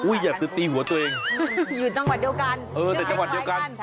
อุ้ยอยากจะตีหัวตัวเองอยู่ต่างหวัดเดียวกัน